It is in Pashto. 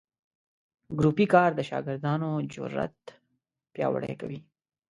ګروپي کار د شاګردانو جرات پیاوړي کوي.